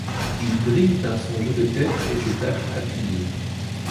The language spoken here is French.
Il brille par son jeu de tête et ses tacles appuyés.